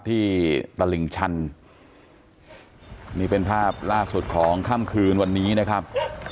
ตลิ่งชันนี่เป็นภาพล่าสุดของค่ำคืนวันนี้นะครับ